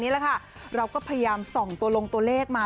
นี่แหละค่ะเราก็พยายามส่องตัวลงตัวเลขมา